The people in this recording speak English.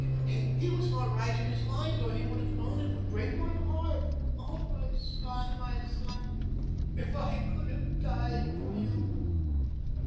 He was not right in his mind or he would have known it would break my heart. Oh, my son, my son, if I could have died for you."